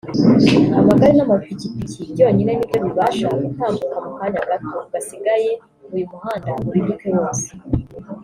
Amagare n’amapikipiki byonyine nibyo bibasha gutambuka mu kanya gato gasigaye ngo uyu muhanda uriduke wose